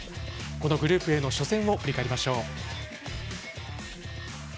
このグループＡの初戦を振り返りましょう。